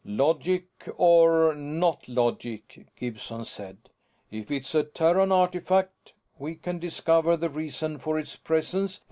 "Logic or not logic," Gibson said. "If it's a Terran artifact, we can discover the reason for its presence.